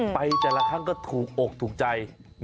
ไปแต่ละครั้งก็ถูกอกถูกใจ